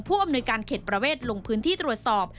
อำนวยการเขตประเวทลงพื้นที่ตรวจสอบ